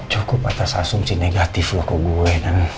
cukup atas asumsi negatif lo ke gue dan